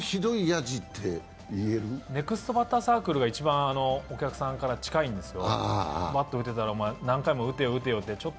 ネクストバッターズサークルが一番お客さんから近いんですよ。